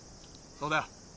そうだよ。